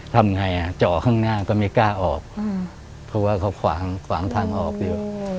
ทำไงอ่ะเจาะข้างหน้าก็ไม่กล้าออกเพราะว่าเขาขวางขวางทางออกอยู่